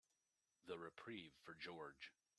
The reprieve for George.